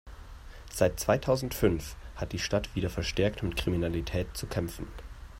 Seit zweitausendfünf hat die Stadt wieder verstärkt mit Kriminalität zu kämpfen.